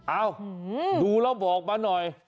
เอ้าดูแล้วบอกมาหน่อย